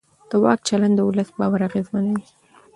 د واک چلند د ولس باور اغېزمنوي